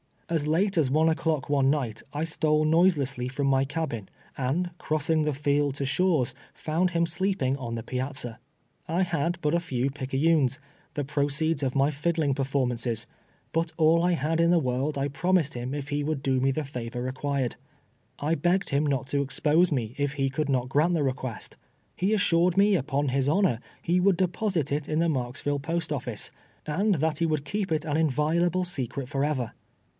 As late as one o'clock one night I stole noise lessly from my cabin, and, crossing the field to Shaw's, found him sleeping on the piazza. I had but a few ])icayunes — the proceeds of my fiddling performan ces, b\it all I had in the world I promised him if he ■would do me the favor rec^uired. I begged him not to expose me if he could not grant the request. He assured me, upon his honor, he would deposit it in the Marksville post ofiice, and that he would keep it an inviolable secret forever.